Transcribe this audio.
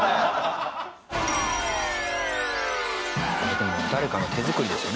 でも誰かの手作りですよね